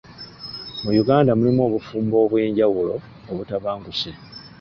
Mu Uganda mulimu obufumbo obw'enjawulo obutabanguse.